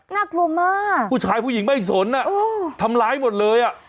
น่ากลัวมากผู้ชายผู้หญิงไม่สนทำร้ายหมดเลยอ่ะ